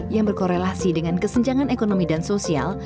yang berkorelasi dengan kesenjangan ekonomi dan sosial